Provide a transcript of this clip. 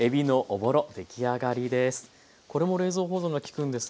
出来上がりです。